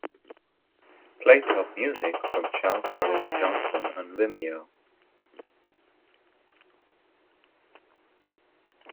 Play top music from Charles L. Johnson on vimeo